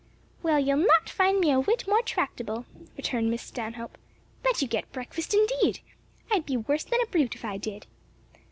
"Well, you'll not find me a whit more tractable," returned Miss Stanhope. "Let you get breakfast, indeed! I'd be worse than a brute if I did.